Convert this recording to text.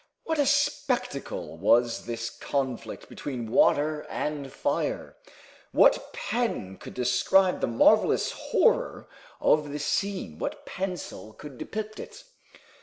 What a spectacle was this conflict between water and fire! What pen could describe the marvelous horror of this scene what pencil could depict it?